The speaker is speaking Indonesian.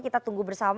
kita tunggu bersama